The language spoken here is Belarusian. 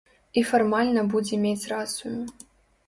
І фармальна будзе мець рацыю.